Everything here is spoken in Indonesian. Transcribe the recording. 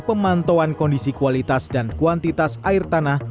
pemantauan kondisi kualitas dan kuantitas air tanah